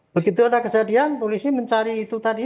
begitu ada kejadian polisi mencari itu tadi